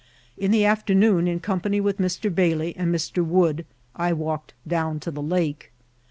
In the afternoon, in company with Mr. Bailey and Mr. Wood, I walked down to the lake.